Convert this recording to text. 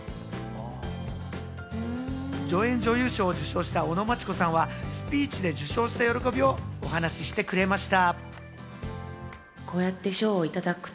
助演女優賞を受賞した尾野真千子さんはスピーチで受賞した喜びを話してくれました。